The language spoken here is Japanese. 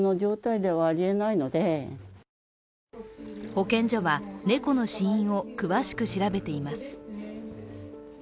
保健所は、猫の死因を詳しく調べています。